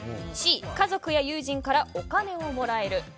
Ｃ、家族や友人からお金をもらえる。